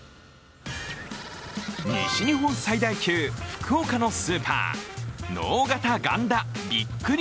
西日本最大級、福岡のスーパー直方がんだびっくり